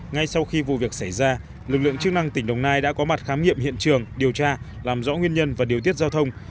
ngay sau khi vụ việc xảy ra lực lượng chức năng tỉnh đồng nai đã có mặt khám nghiệm hiện trường điều tra làm rõ nguyên nhân và điều tiết giao thông